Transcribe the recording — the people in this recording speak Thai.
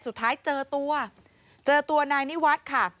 สุดท้ายเจอตัวเจอตัวนายนิวัฒน์ค่ะ